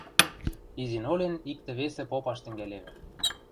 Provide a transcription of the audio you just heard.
Изин-олен иктӹ-весӹ попаш тӹнгӓлевӹ.